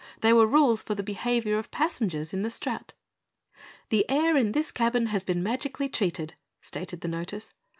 They were rules for the behavior of passengers in the strat. "The air in this cabin has been magically treated," stated the notice.